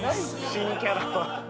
新キャラは。